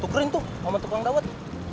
tukerin tuh sama tukang dawet